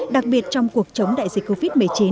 đặc biệt trong cuộc chống đại dịch covid một mươi chín